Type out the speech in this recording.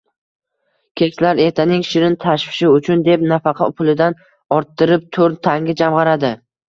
Keksalar ertaning shirin tashvishi uchun, deb nafaqa pulidan orttirib to`rt tanga jamg`aradi